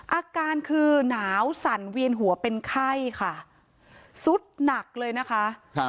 อาการคือหนาวสั่นเวียนหัวเป็นไข้ค่ะสุดหนักเลยนะคะครับ